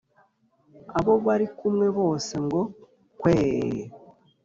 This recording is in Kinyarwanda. abo bari kumwe bose ngo 'kweeeee!'